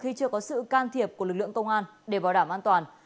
khi chưa có sự can thiệp của lực lượng công an để bảo đảm an toàn